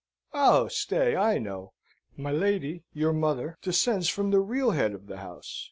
Oh, stay: I know, my lady, your mother, descends from the real head of the house.